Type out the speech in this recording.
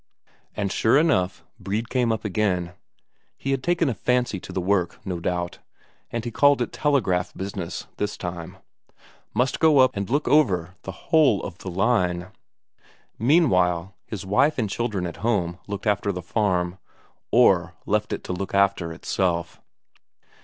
And sure enough, Brede came up again. He had taken a fancy to the work, no doubt; but he called it telegraph business this time must go up and look over the whole of the line. Meanwhile his wife and children at home looked after the farm, or left it to look after itself.